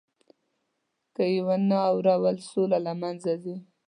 که یې ونه اورو، سوله له منځه ځي.